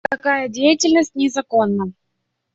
Такая деятельность незаконна.